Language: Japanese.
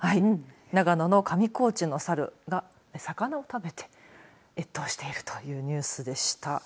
長野の上高地のサルが魚を食べて越冬しているというニュースでした。